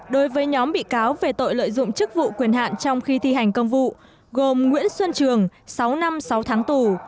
đối với nhóm bị cáo về tội lợi dụng chức vụ quyền hạn trong khi thi hành công vụ gồm nguyễn xuân trường sáu năm sáu tháng tù